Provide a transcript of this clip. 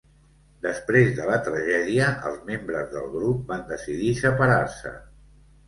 Després de la tragèdia, els membres del grup van decidir separar-se.